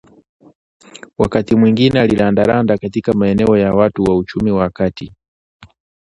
Wakati mwingine alirandaranda katika maeneo ya watu wa uchumi wa kati